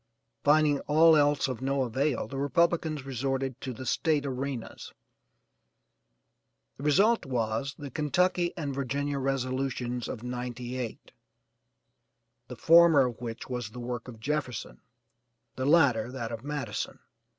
Finding all else of no avail, the Republicans resorted to the State Arenas; the result was the 'Kentucky and Virginia resolutions of '98,' the former of which was the work of Jefferson, the latter that of Madison.